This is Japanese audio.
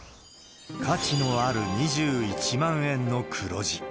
価値のある２１万円の黒字。